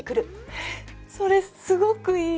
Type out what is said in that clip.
えっそれすごくいい。